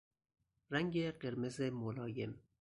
رنگ قرمز ملایم